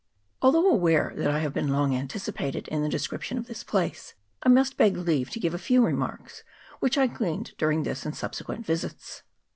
Although aware that I have long been F2 68 PORT NICHOLSON. [PART I anticipated in the description of this place, I must beg leave to give a few remarks which I gleaned during this and subsequent visits.